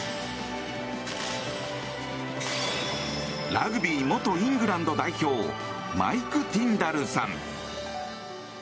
ラグビー元イングランド代表マイク・ティンダルさん。